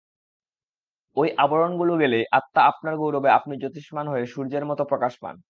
ঐ আবরণগুলো গেলেই আত্মা আপনার গৌরবে আপনি জোতিষ্মান হয়ে সূর্যের মত প্রকাশ পান।